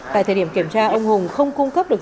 tại thời điểm kiểm tra ông hùng không cung cấp được